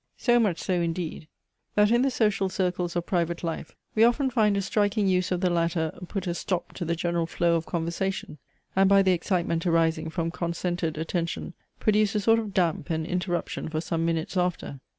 So much so indeed, that in the social circles of private life we often find a striking use of the latter put a stop to the general flow of conversation, and by the excitement arising from concentred attention produce a sort of damp and interruption for some minutes after.